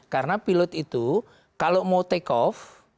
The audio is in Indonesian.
karena pilot itu kalau mau take off